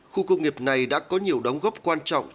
khu công nghiệp này đã có nhiều đóng góp quan trọng